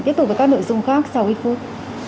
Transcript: tiếp tục với các nội dung khác sau ít phút